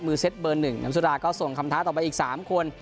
เซ็ตเบอร์๑น้ำสุดาก็ส่งคำท้าต่อไปอีก๓คน